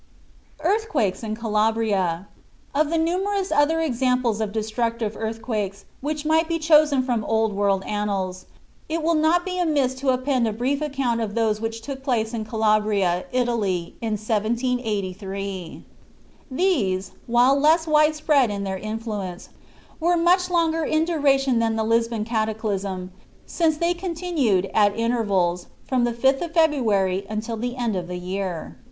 EARTHQUAKES IN CALABRIA Of the numerous other examples of destructive earthquakes which might be chosen from Old World annals, it will not be amiss to append a brief account of those which took place in Calabria, Italy, in 1783. These, while less wide spread in their influence, were much longer in duration than the Lisbon cataclysm, since they continued, at intervals, from the 5th of February until the end of the year.